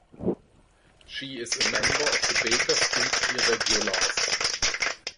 She is a member of the Baker Street Irregulars.